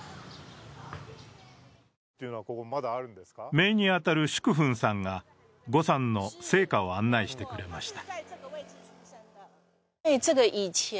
めいに当たる淑芬さんが呉さんの生家を案内してくれました。